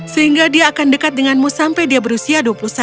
sehingga dia akan dekat denganmu sampai dia berusia dua puluh satu